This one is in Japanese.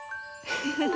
フフフ。